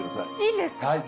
いいんですか？